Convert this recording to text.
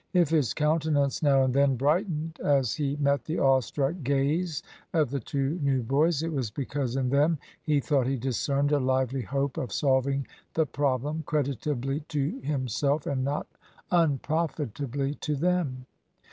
If his countenance now and then brightened as he met the awe struck gaze of the two new boys, it was because in them he thought he discerned a lively hope of solving the problem creditably to himself and not unprofitably to them.